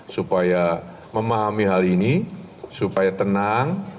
supaya memahami hal ini supaya tenang